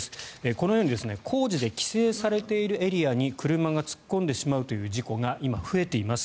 このように工事で規制されているエリアに車が突っ込んでしまうという事故が今、増えています。